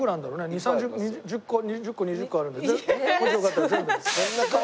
２０３０１０個２０個あればもしよかったら全部。